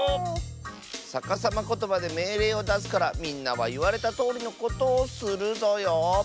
さかさまことばでめいれいをだすからみんなはいわれたとおりのことをするぞよ！